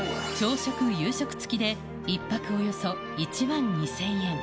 朝食、夕食付きで１泊およそ１万２０００円。